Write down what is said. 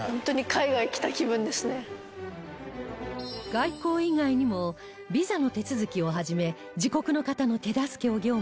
外交以外にもビザの手続きをはじめ自国の方の手助けを業務とする大使館